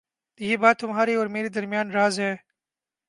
یہ بات تمہارے اور میرے درمیان راز ہے